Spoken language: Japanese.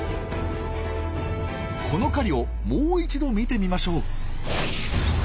この狩りをもう一度見てみましょう。